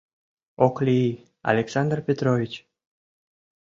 — Ок лий, Александр Петрович.